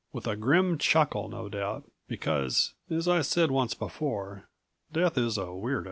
With a grim chuckle, no doubt, because, as I said once before, Death is a weird o.